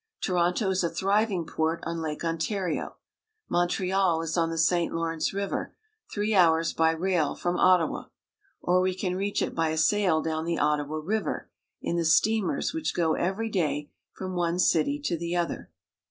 Toronto is a thriving port on Lake Ontario. Montreal is on the St. Lawrence River, three hours by rail from Ottawa ; or we can reach it by a sail down the Ot tawa River in the steamers which go every day from one city to the other.